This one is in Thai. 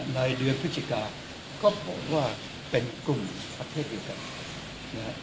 ในเดือนพฤศจิกาก็บอกว่าเป็นกลุ่มประเทศเดียวกันนะฮะ